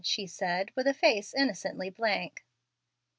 she said, with a face innocently blank.